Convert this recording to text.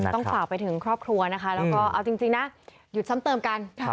ฝากไปถึงครอบครัวนะคะแล้วก็เอาจริงนะหยุดซ้ำเติมกัน